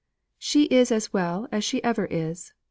"She is as well as she ever is.